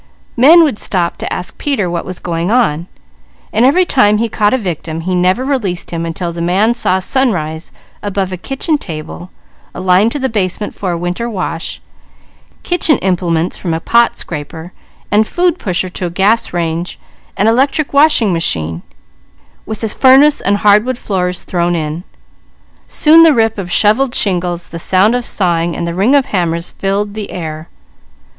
Men would stop to ask Peter what was going on, so every time he caught a victim, he never released him until the man saw sunrise above a kitchen table, a line in the basement for a winter wash, kitchen implements from a pot scraper and food pusher to a gas range and electric washing machine, with a furnace and hardwood floors thrown in. Soon the rip of shovelled shingles, the sound of sawing, and the ring of hammers filled the air.